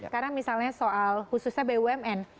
karena misalnya soal khususnya bumn